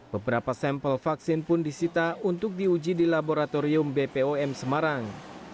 beberapa sampel vaksin pun disita untuk diuji di laboratorium bpom semarang